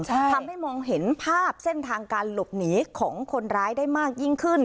ทำให้มองเห็นภาพเส้นทางการหลบหนีของคนร้ายได้มากยิ่งขึ้น